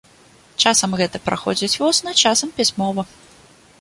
Часам гэта праходзіць вусна, часам пісьмова.